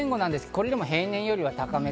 これでも平年よりは高め。